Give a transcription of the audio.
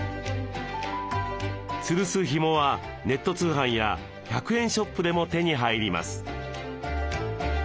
つるすヒモはネット通販や１００円ショップでも手に入ります。